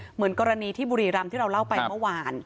เหมือนกรณีที่บุรีรำที่เราเล่าไปเมื่อวาน